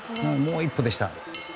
もう一歩でした。